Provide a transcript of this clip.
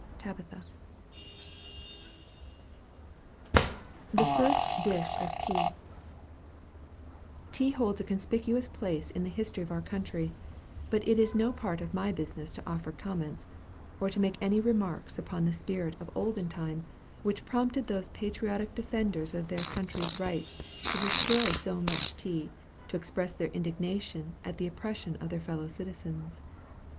TABITHA. THE FIRST DISH OF TEA. Tea holds a conspicuous place in the history of our country; but it is no part of my business to offer comments, or to make any remarks upon the spirit of olden time, which prompted those patriotic defenders of their country's rights to destroy so much tea, to express their indignation at the oppression of their fellow citizens.